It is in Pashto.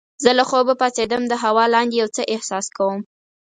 زه له خوبه پاڅیدم د هوا لاندې یو څه احساس کوم.